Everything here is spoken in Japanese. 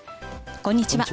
こんにちは。